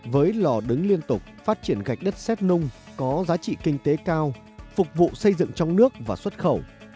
với lò đứng liên tục phát triển gạch đất xét nung có giá trị kinh tế cao phục vụ xây dựng trong nước và xuất khẩu